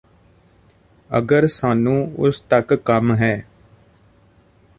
ਅਗਰ ਸਾਨੂੰ ਉਸ ਤੱਕ ਕੰਮ ਹੈ